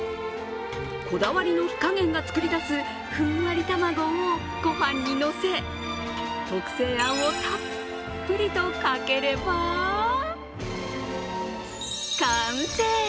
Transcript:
こだわりの火加減が作り出すふんわり卵をごはんにのせ、特製あんをたっぷりとかければ完成！